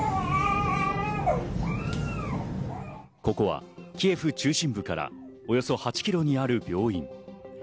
ここはキエフ中心部からおよそ８キロにある病院。